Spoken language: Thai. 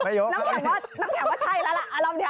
ไม่ยกน้ำแข็งน็อตน้ำแข็งว่าใช่แล้วล่ะเอารอบเดี๋ยว